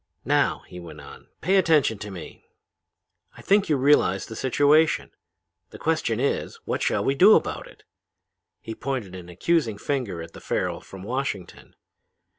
"'Now,' he went on, 'pay attention to me. I think you realize the situation. The question is, what we shall do about it?' He pointed an accusing finger at the Farrel from Washington.